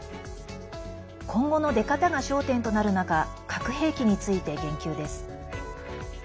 今後の出方が焦点となる中核兵器について言及です。